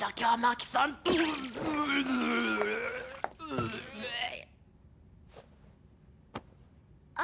うっ。